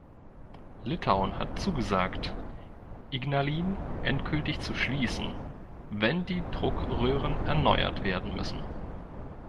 Litauen hat zugesagt, Ignalin endgültig zu schließen, wenn die Druckröhren erneuert werden müssen.